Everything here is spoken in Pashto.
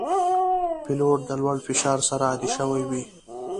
پیلوټ د لوړ فشار سره عادي شوی وي.